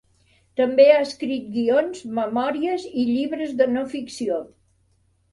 També ha escrit guions, memòries i llibres de no ficció.